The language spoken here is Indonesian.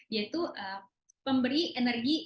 yaitu pemberi energi